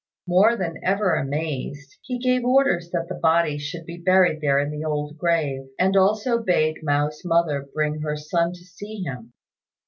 More than ever amazed, he gave orders that the body should be buried there in the old grave, and also bade Mao's mother bring her son to see him.